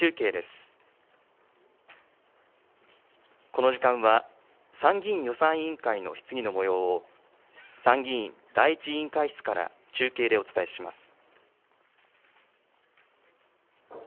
この時間は、参議院予算委員会の質疑のもようを、参議院第１委員会室から中継でお伝えします。